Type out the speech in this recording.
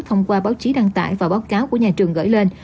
thông qua báo chí đăng tải và báo cáo của nhà trường gửi lên